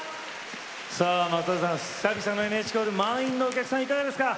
松平さん、久々のＮＨＫホール満員のお客さんいかがですか？